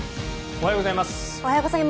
おはようございます。